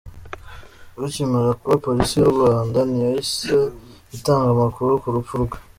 Bikimara kuba Police y’u Rwanda ntiyahise itanga amakuru ku rupfu rwe.